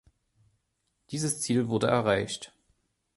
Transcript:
Dieses Ziel wurde erreicht.